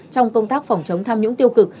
trong công tác phòng chống tham nhũng tiêu cực